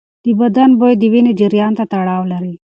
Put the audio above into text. د بدن بوی د وینې جریان ته تړاو لري.